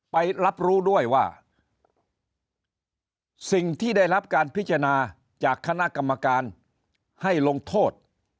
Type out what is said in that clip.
ไปรับรู้ด้วยว่าสิ่งที่ได้รับการพิจารณาจากคณะกรรมการให้ลงโทษ